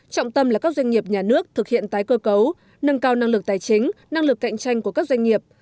trọng tâm là các doanh nghiệp nhà nước thực hiện tái cơ cấu nâng cao năng lực tài chính năng lực cạnh tranh của các doanh nghiệp